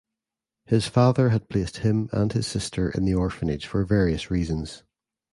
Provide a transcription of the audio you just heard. His father had placed him and his sister in the orphanage for various reasons.